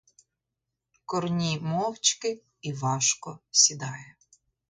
Корній мовчки і важко сідає.